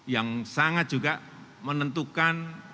yang sangat juga menentukan